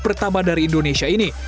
pertama dari indonesia ini